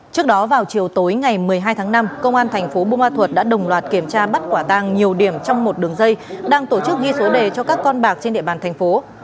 trước đó vào chiều tối ngày một mươi hai tháng năm công an thành phố bù ma thuật đã đồng loạt kiểm tra bắt quả tăng nhiều điểm trong một đường dây đang tổ chức ghi số đề cho các con bạc trên địa bàn thành phố